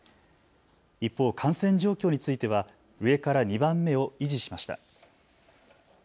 一方、感染状況については上から２番目を維持しました。